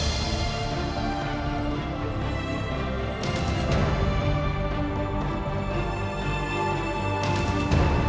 aku tidak akan menemukanmu